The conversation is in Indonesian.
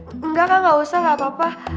enggak kak gak usah gak apa apa